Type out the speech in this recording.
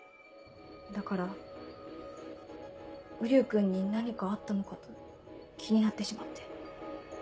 だから瓜生君に何かあったのかと気になってしまって。